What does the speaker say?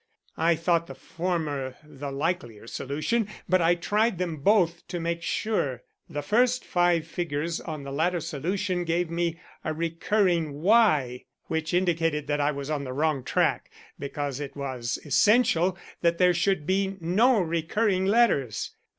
I thought the former the likelier solution, but I tried them both, to make sure. The first five figures on the latter solution gave me a recurring Y, which indicated that I was on the wrong track because it was essential there should be no recurring letters.